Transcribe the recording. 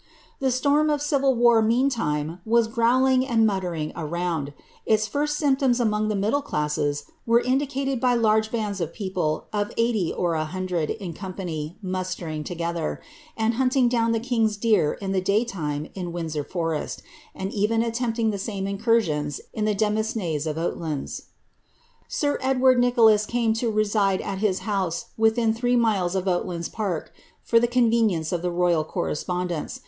The storm of civil war meantime was growling and muttering around. Its first symptoms among the middle classes were indicated by large bands of people of eighty or a hundred in company mustering together, and hunting down the king's deer in the day time in Windsor foreit, and even attempting the same incursions in the demesnes of Oatlands. Sir Edward Nicholas came to reside at his house within three milei of Oatlands park, for the convenience of the royal correspondence.